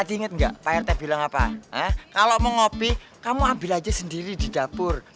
ingat enggak pak rt bilang apa kalau mau ngopi kamu ambil aja sendiri di dapur